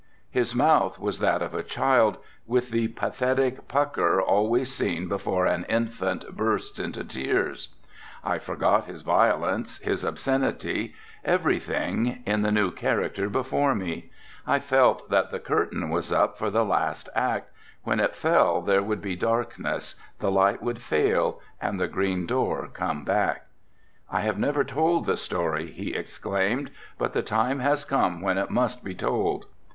His mouth was that of a child with the pathetic pucker always seen before an infant bursts into tears. I forgot his violence, his obscenity, everything, in the new character before me, I felt that the curtain was up for the last act, when it fell there would be darkness, the light would fail and the green door come back. "I have never told the story," he exclaimed, "but the time has come when it must be told."